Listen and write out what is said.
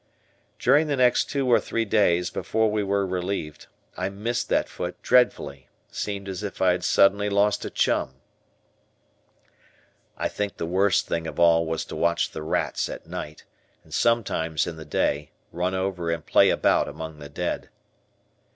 During the next two or three days, before we were relieved, I missed that foot dreadfully, seemed as if I had suddenly lost a chum. I think the worst thing of all was to watch the rats, at night, and sometimes in the day, run over and play about among the dead.